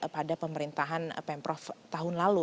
pada pemerintahan pemprov tahun lalu